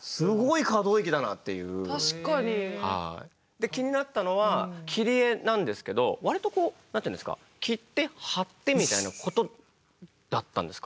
で気になったのは切り絵なんですけどわりとこう何ていうんですか切って貼ってみたいなことだったんですか？